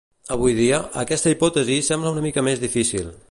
Avui dia, aquesta hipòtesi sembla una mica més difícil.